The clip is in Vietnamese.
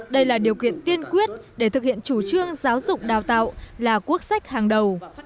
đây là điều kiện tiên quyết để thực hiện chủ trương giáo dục đào tạo là quốc sách hàng đầu